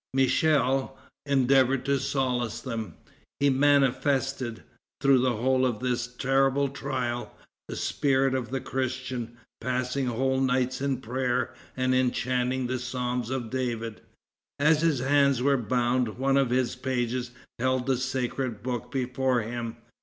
Michel endeavored to solace them. He manifested, through the whole of this terrible trial, the spirit of the Christian, passing whole nights in prayer and in chanting the Psalms of David. As his hands were bound, one of his pages held the sacred book before him.